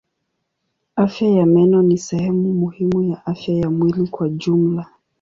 Afya ya meno ni sehemu muhimu ya afya ya mwili kwa jumla.